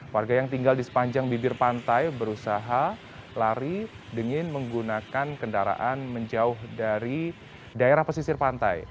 warga yang tinggal di sepanjang bibir pantai berusaha lari dengan menggunakan kendaraan menjauh dari daerah pesisir pantai